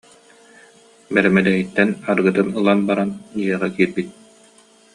Бэрэмэдэйиттэн арыгытын ылан баран, дьиэҕэ киирбит